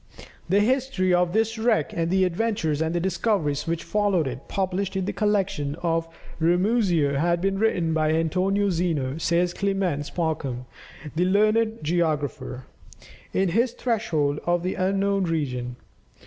The history of this wreck, and the adventures and discoveries which followed it, published in the collection of Ramusio had been written by Antonio Zeno, says Clements Markham, the learned geographer, in his "Threshold of the Unknown Region."